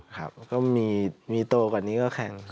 ครับก็มีโตกว่านี้ก็แข่ง